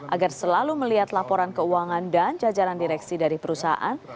agar selalu melihat laporan keuangan dan jajaran direksi dari perusahaan